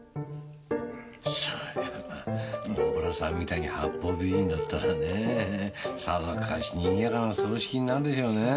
そりゃあ大洞さんみたいに八方美人だったらねぇさぞかし賑やかな葬式になるでしょうねぇ！